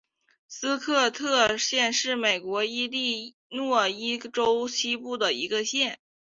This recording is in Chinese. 斯科特县是美国伊利诺伊州西部的一个县。